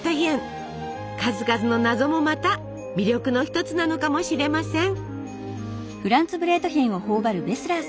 数々の謎もまた魅力の一つなのかもしれません。